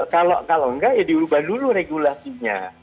kalau enggak ya diubah dulu regulasinya